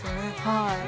はい。